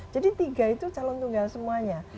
jadi tiga itu calon tunggal semuanya